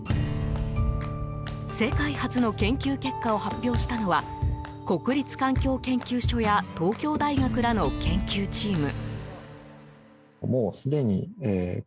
世界初の研究結果を発表したのは国立環境研究所や東京大学らの研究チーム。